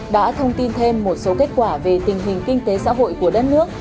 đã thông tin thêm một số kết quả về tình hình kinh tế xã hội của đất nước